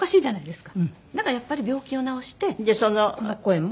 だからやっぱり病気を治してこの声も。